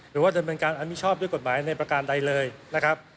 หรือว่าดำเนินการอันมิชอบด้วยกฎหมายในประการใดเลยนะครับ